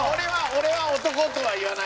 俺は男とは言わない。